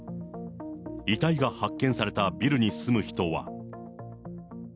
遺体が発見されたビルに住む人は。